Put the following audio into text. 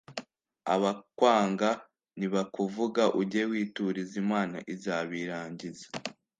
Abakwanga nibakuvuga ujye wituriza Imana izabirangiza